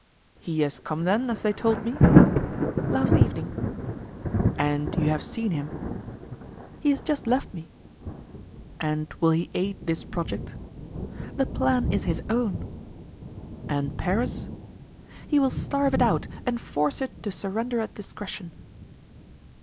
"He has come, then, as they told me?" "Last evening." "And you have seen him?" "He has just left me." "And will he aid this project?" "The plan is his own." "And Paris?" "He will starve it out and force it to surrender at discretion."